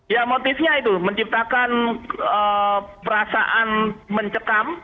ya motifnya itu menciptakan perasaan mencekam